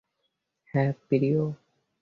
হ্যাঁ, প্রিয়।